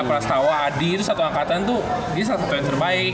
pras tawa adi itu satu angkatan tuh dia salah satu yang terbaik